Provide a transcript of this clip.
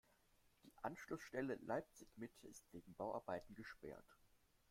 Die Anschlussstelle Leipzig-Mitte ist wegen Bauarbeiten gesperrt.